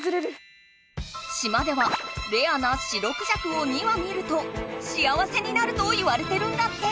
島ではレアな白クジャクを２羽見るとしあわせになるといわれてるんだって！